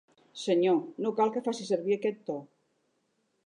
Senyor, no cal que faci servir aquest to.